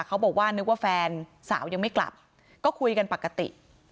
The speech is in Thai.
เขาบอกว่านึกว่าแฟนสาวยังไม่กลับก็คุยกันปกติ